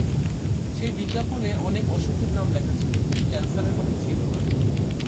সেই বিজ্ঞাপনে অনেক অসুখের নাম লেখা ছিল, কিন্তু ক্যানসারের কথা ছিল না।